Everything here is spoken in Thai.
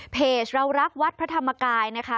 เพจเรารักวัดพระธรรมกายนะคะ